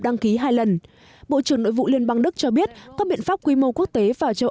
đăng ký hai lần bộ trưởng nội vụ liên bang đức cho biết các biện pháp quy mô quốc tế và châu